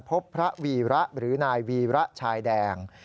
พบพระวีระหรือนายวีระชายแดง